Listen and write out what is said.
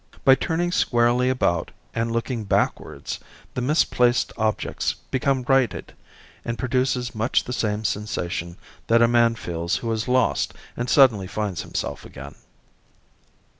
By turning squarely about and looking backwards, the misplaced objects become righted, and produces much the same sensation that a man feels who is lost and suddenly finds himself again.